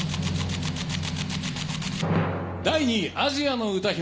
第２位、アジアの歌姫。